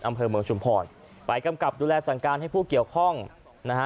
อำเภอเมืองชุมพรไปกำกับดูแลสั่งการให้ผู้เกี่ยวข้องนะฮะ